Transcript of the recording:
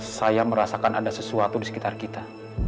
saya merasakan ada sesuatu di sekitar kita